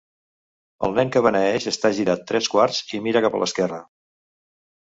El Nen que beneeix està girat tres quarts i mira cap a l'esquerra.